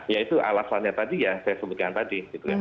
ya itu alasannya tadi ya saya sebutkan tadi